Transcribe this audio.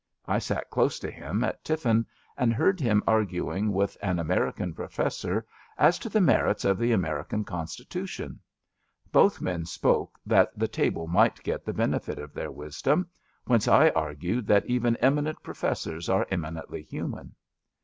I sat close to him at tiffin and heard him arguing with an American professor as to the merits of the American Constitution. Both men spoke that the table might get the benefit of their wisdom, whence 174 ABAFT THE FUNNEL I argued that even eminent professors are eminently hnman.